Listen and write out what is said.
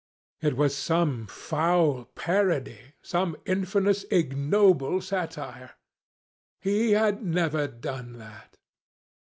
It was some foul parody, some infamous ignoble satire. He had never done that.